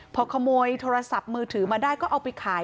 พอขโมยโทรศัพท์มือถือมาได้ก็เอาไปขาย